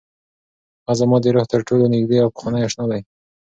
هغه زما د روح تر ټولو نږدې او پخوانۍ اشنا ده.